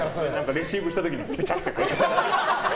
レシーブした時に、ペチャって。